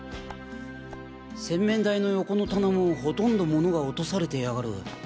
洗面台の横の棚もほとんど物が落とされてやがる。